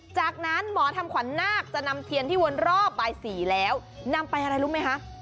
จากนั้นหมอทำขวัญนาคจะนำเทียนที่วนรอบบ่าย๔แล้วนำไปอะไรรู้ไหมคะ